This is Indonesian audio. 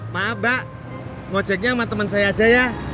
maaf mbak mau jack nya sama temen saya aja ya